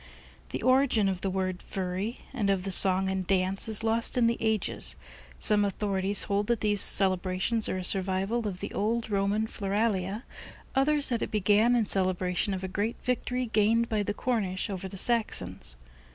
The origin of the word "Furry," and of the song and dance, is lost in the ages. Some authorities hold that these celebrations are a survival of the old Roman Floralia, others that it began in celebration of a great victory gained by the Cornish over the Saxons.